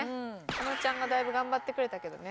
加納ちゃんがだいぶ頑張ってくれたけどね。